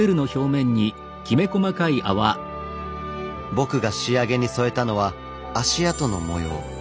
僕が仕上げに添えたのは足跡の模様。